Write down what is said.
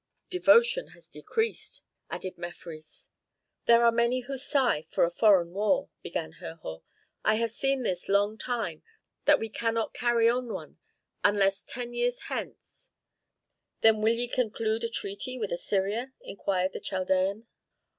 "Devotion has decreased," added Mefres. "There are many who sigh for a foreign war," began Herhor. "I have seen this long time that we cannot carry on one, unless ten years hence " "Then will ye conclude a treaty with Assyria?" inquired the Chaldean.